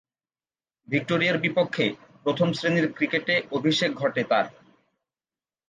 ভিক্টোরিয়ার বিপক্ষে প্রথম-শ্রেণীর ক্রিকেটে অভিষেক ঘটে তার।